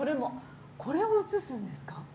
これを映すんですか？